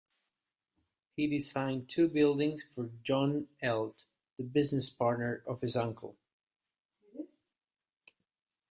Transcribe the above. He designed two buildings for John Eld, the business partner of his uncle.